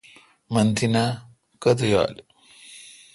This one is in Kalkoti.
من تینہ کتہ یال۔